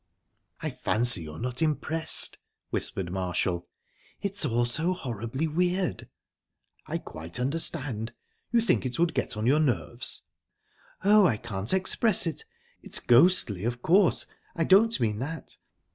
"I fancy you're not impressed?" whispered Marshall. "It's all so horribly weird." "I quite understand. You think it would get on your nerves?" "Oh, I can't express it. It's ghostly, of course I don't mean that...